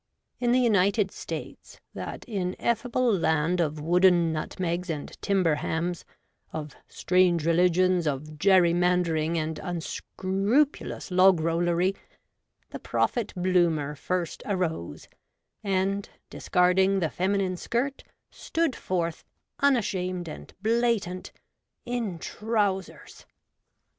In the United States, that in effable land of wooden nutmegs and timber hams, of strange religions, of jerrymandering and unscrupu lous log rollery, the Prophet Bloomer first arose, and, discarding the feminine skirt, stood forth, un ashamed and blatant, in trousers